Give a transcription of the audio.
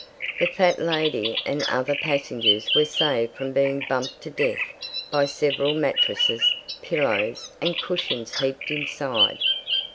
The fat lady and other passengers were saved from being bumped to death by several mattresses, pillows, and cushions heaped inside.